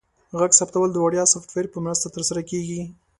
غږ ثبتول د وړیا سافټویر په مرسته ترسره کیږي.